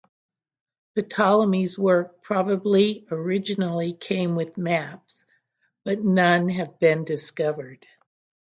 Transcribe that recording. Ptolemy's work probably originally came with maps, but none have been discovered.